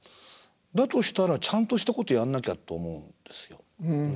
だとしたらちゃんとしたことやんなきゃと思うんですよ。